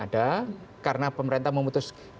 ada karena pemerintah memutuskan